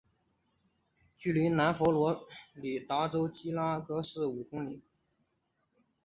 距离南佛罗里达州基拉戈市五公里。